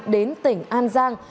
đến tỉnh an giang